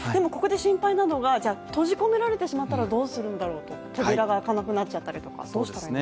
ここで心配なのが閉じ込められてしまったらどうするんだろう、扉が開かなくなっちゃったりとか。